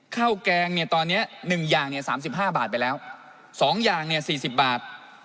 ข้าวแกงตอนนี้๑อย่าง๓๕บาทไปแล้ว๒อย่าง๔๐บาท